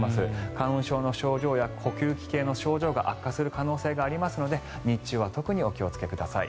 花粉症の症状や呼吸器系の症状が悪化する可能性がありますので日中は特にお気をつけください。